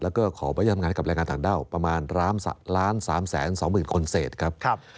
แล้วก็ขอไปทำงานกับแรงงานต่างด้าวประมาณ๑๓๒๐๐๐คนเศษครับ